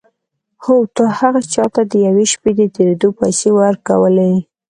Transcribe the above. هو تا هغه چا ته د یوې شپې د تېرېدو پيسې ورکولې.